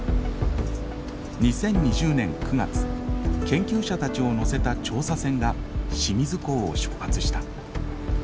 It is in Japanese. ２０２０年９月研究者たちを乗せた調査船が清水港を出発した。